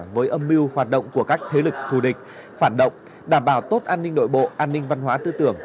với âm mưu hoạt động của các thế lực thù địch phản động đảm bảo tốt an ninh nội bộ an ninh văn hóa tư tưởng